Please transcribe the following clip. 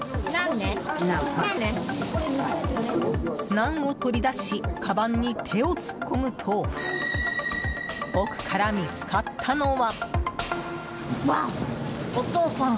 ナンを取り出しかばんに手を突っ込むと奥から見つかったのは。